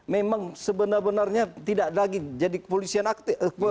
memang sebenarnya tidak lagi jadi kepolisian aktif